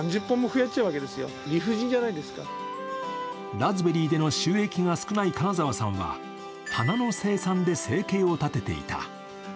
ラズベリーでの収益が少ない金澤さんは花の生産で生計を立てていた。